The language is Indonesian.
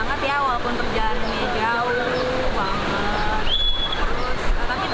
banget ya walaupun perjalanannya jauh banget